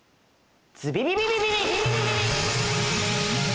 ズビビビビビビ！